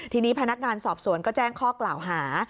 ทีนี้พนักงานสอบสวนก็แจ้งข้อกล่าวหา